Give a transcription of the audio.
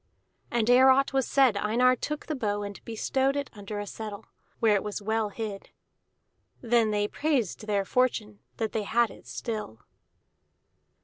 And ere aught was said Einar took the bow and bestowed it under a settle, where it was well hid. Then they praised their fortune that they had it still.